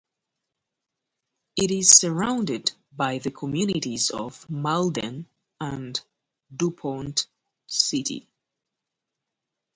It is surrounded by the communities of Malden and DuPont City.